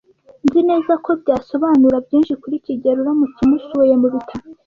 Nzi neza ko byasobanura byinshi kuri kigeli uramutse umusuye mubitaro.